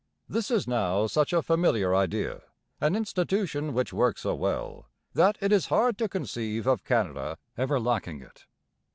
This is now such a familiar idea, an institution which works so well, that it is hard to conceive of Canada ever lacking it.